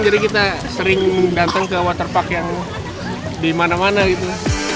jadi kita sering mengganteng ke waterpark yang di mana mana gitu